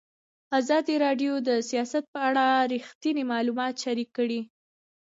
ازادي راډیو د سیاست په اړه رښتیني معلومات شریک کړي.